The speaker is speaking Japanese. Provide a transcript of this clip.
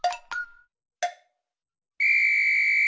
ピッ！